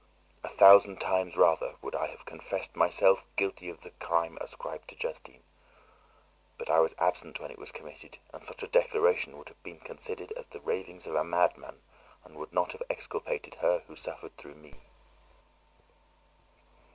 A thousand times rather would I have confessed myself guilty of the crime ascribed to Justine, but I was absent when it was committed, and such a declaration would have been considered as the ravings of a madman and would not have exculpated her who suffered through me.